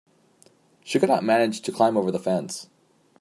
She could not manage to climb over the fence.